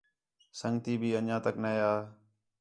سنڳتی بھی انڄیاں تک نے آ